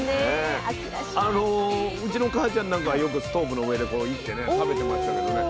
あのうちのかあちゃんなんかはよくストーブの上でこう煎ってね食べてましたけどね。